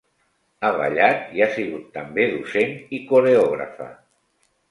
Ha ballat i ha sigut també docent i coreògrafa.